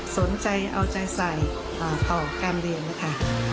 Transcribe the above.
สนใจเอาใจใส่ต่อการเรียนนะคะ